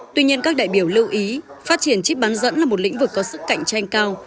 tuy nhiên các đại biểu lưu ý phát triển chip bán dẫn là một lĩnh vực có sức cạnh tranh cao